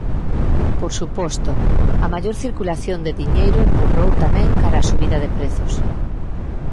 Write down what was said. Por suposto, a maior circulación de diñeiro empurrou tamén cara a subida de prezos.